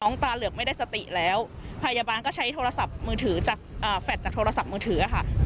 ตาเหลือกไม่ได้สติแล้วพยาบาลก็ใช้โทรศัพท์มือถือจากแฟลตจากโทรศัพท์มือถือค่ะ